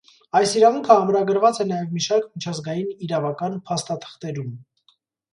Այս իրավունքը ամրագրված է նաև մի շարք միջազգային իրավական փաստաթղթերում։